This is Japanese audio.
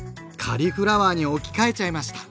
カリフラワーに置き換えちゃいました！